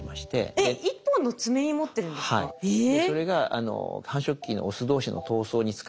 えっ１本の爪に持ってるんですか？はい。えっ。